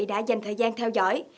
đã dành thời gian theo dõi